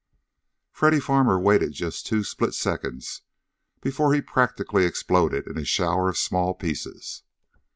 Freddy Farmer waited just two split seconds before he practically exploded in a shower of small pieces.